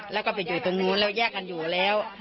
แล้วก็ไปอยู่ตรงนู้นแล้วแยกกันอยู่แล้ว